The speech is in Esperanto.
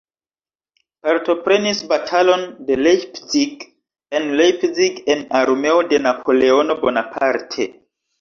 Partoprenis batalon de Leipzig en Leipzig en armeo de Napoleono Bonaparte.